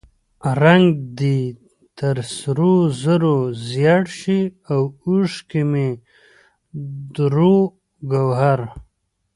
رنګ دې تر سرو زرو زیړ شي او اوښکې مې دُر و ګوهر.